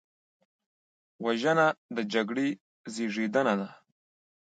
وژنه د جګړې زیږنده ده